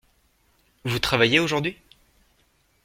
Vous travaillez aujourd’hui ?